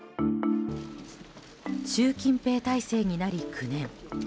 習近平体制になり、９年。